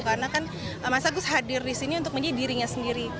karena kan mas agus hadir di sini untuk menjadi dirinya sendiri